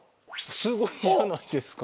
すごいじゃないですか。